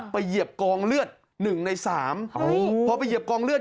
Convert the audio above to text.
เหยียบกองเลือดหนึ่งในสามพอไปเหยียบกองเลือด